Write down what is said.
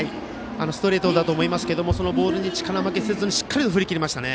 ストレートだと思いますけれどもそのボールに力負けせずにしっかり振り抜きましたね。